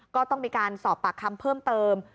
ก็ต้องมีการสอบปากคำเพิ่มเติม